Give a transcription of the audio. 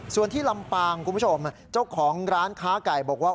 ส่วนที่ลำปางคุณผู้ชมเจ้าของร้านค้าไก่บอกว่า